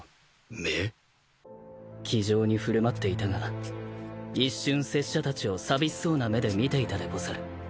気丈に振る舞っていたが一瞬拙者たちを寂しそうな目で見ていたでござる。